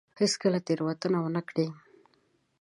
هېڅ کله تېروتنه ونه کړي.